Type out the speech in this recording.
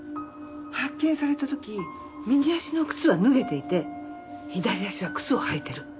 発見された時右足の靴は脱げていて左足は靴を履いてる。